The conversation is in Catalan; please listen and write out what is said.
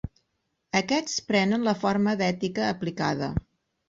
Aquests prenen la forma d'ètica aplicada.